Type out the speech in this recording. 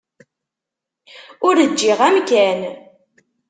Ur ǧǧiɣ amkan.